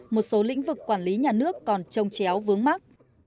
một số lĩnh vực quản lý nhà nước còn trông chéo vướng mắt